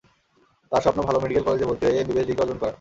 তাঁর স্বপ্ন, ভালো মেডিকেল কলেজে ভর্তি হয়ে এমবিবিএস ডিগ্রি অর্জন করার।